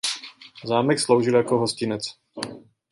Zámek sloužil jako hostinec.